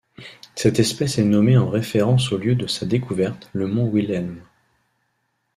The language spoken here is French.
Cette espèce est nommée en référence au lieu de sa découverte, le mont Wilhelm.